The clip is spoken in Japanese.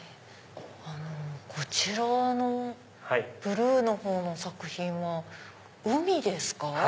こちらのブルーの作品は海ですか？